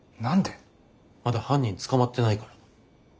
まだ犯人捕まってないから。